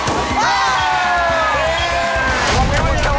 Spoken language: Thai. ออกแล้ว